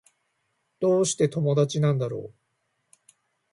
どうして友達なんだろう